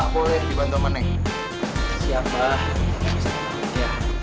bebek jangan aku takut